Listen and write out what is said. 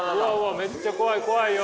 めっちゃ怖い怖いよ！